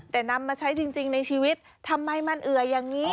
แต่นำมาใช้จริงในชีวิตทำไมมันเอื่ออย่างนี้